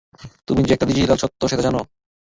তুমি যে একটা ডিজিটাল স্বত্বা সেটা জানো?